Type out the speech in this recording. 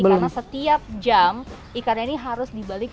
karena setiap jam ikannya ini harus dibalik